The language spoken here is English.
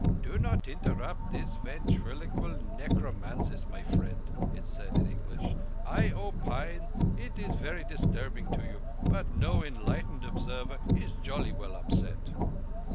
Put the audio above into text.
"Do not interrupt this ventriloquial necromanciss, my friend," it said in English. "I opine that it is very disturbing to you, but no enlightened observer is jolly well upset."